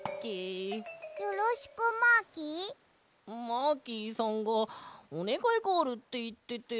マーキーさんがおねがいがあるっていってて。